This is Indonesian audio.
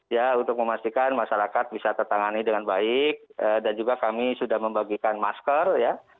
ya untuk memastikan masyarakat bisa tertangani dengan baik dan juga kami sudah membagikan masker ya